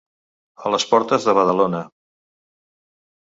A les portes de Badalona.